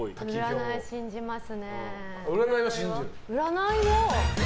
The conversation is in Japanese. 占い信じます。